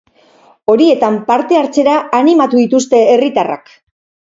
Horietan parte hartzera animatu dituzte herritarrak.